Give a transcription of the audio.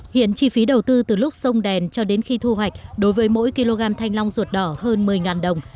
hiện chi phí đầu tư từ lúc sông đèn cho đến khi thu hoạch đối với mỗi kg thanh long ruột đỏ hơn một mươi đồng